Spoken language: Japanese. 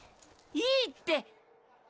いいって！